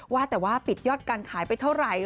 ว่าแต่ว่าปิดยอดการขายไปเท่าไหร่